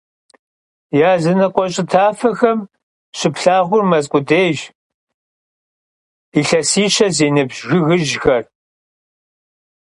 Yazınıkhue ş'ı tafexem şıplhağur mez khudêyş, yilhesişe zi nıbj jjıgıjxerş.